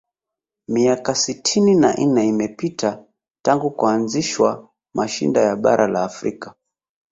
miaka sitini na nne imepita tangu kuanzishwa mashinda ya bara la afrika